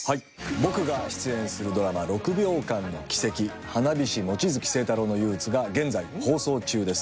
僕が出演するドラマ『６秒間の軌跡花火師・望月星太郎の憂鬱』が現在放送中です。